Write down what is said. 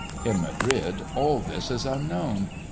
In Madrid all this is unknown.